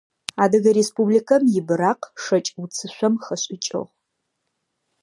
Адыгэ Республикэм и быракъ шэкӏ уцышъом хэшӏыкӏыгъ.